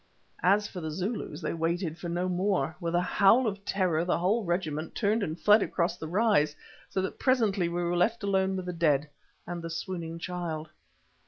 As for the Zulus, they waited for no more. With a howl of terror the whole regiment turned and fled across the rise, so that presently we were left alone with the dead, and the swooning child.